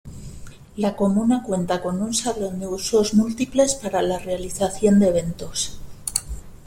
La comuna cuenta con un Salón de Usos Múltiples para la realización de eventos.